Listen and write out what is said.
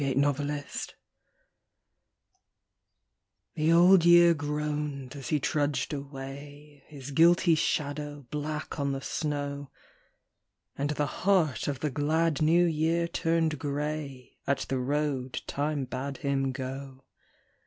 BLOOD ROAD THE Old Year groaned as he trudged away, His guilty shadow black on the snow, And the heart of the glad New Year turned grey At the road Time bade him go.